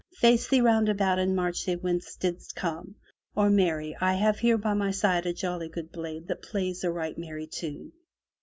Face thee round about and march whence thou didst come, or marry! I have here by my side a jolly good blade that plays a right merry tune!"